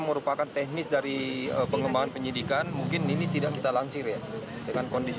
merupakan teknis dari pengembangan penyidikan mungkin ini tidak kita lansir ya dengan kondisi